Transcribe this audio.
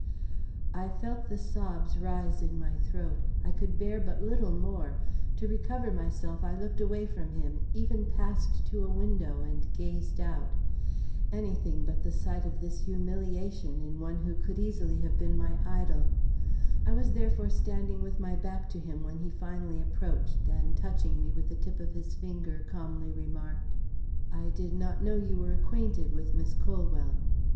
I felt the sobs rise in my throat. I could bear but little more. To recover myself, I looked away from him, even passed to a window and gazed out. Any thing but the sight of this humiliation in one who could easily have been my idol. I was therefore standing with my back to him when he finally approached, and touching me with the tip of his finger, calmly remarked; "I did not know you were acquainted with Miss Colwell."